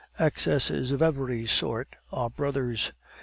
Excesses of every sort are brothers.